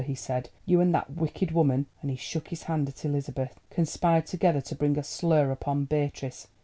he said; "you and that wicked woman," and he shook his hand at Elizabeth, "conspired together to bring a slur upon Beatrice.